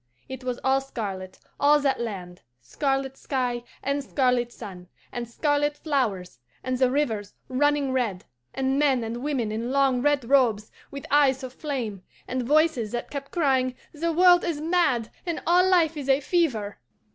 It was all scarlet, all that land scarlet sky and scarlet sun, and scarlet flowers, and the rivers running red, and men and women in long red robes, with eyes of flame, and voices that kept crying, 'The world is mad, and all life is a fever!